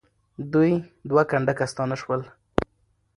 دوی دوه کنډکه ستانه سول.